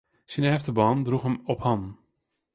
Syn efterban droech him op hannen.